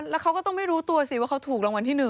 แล้วเขาก็ต้องไม่รู้ตัวสิว่าเขาถูกรางวัลที่๑